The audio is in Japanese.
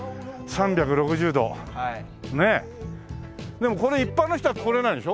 でもこれ一般の人は来れないでしょ？